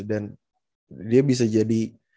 dan dia bisa jadi